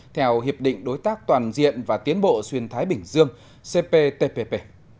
theo hiệp định đối tác toàn diện và tiến bộ xuyên thái bình dương cptpp